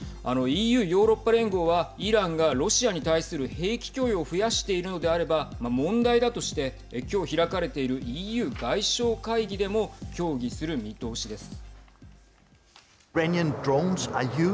ＥＵ＝ヨーロッパ連合はイランがロシアに対する兵器供与を増やしているのであれば問題だとして今日開かれているＥＵ外相会議でも協議する見通しです。